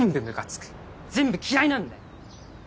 全部嫌いなんだよ！